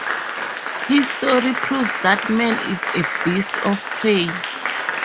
History proves that man is a beast of prey.